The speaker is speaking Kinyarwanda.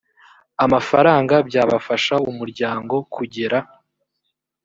amafaranga byafasha umuryango kugera